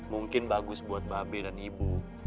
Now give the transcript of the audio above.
mungkin bagus buat babe dan ibu